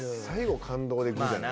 最後感動でぐっ！